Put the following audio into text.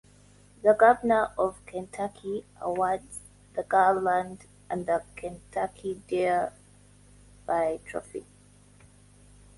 The Governor of Kentucky awards the garland and the Kentucky Derby Trophy.